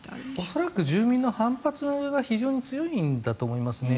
恐らく住民の反発が非常に強いんだと思いますね。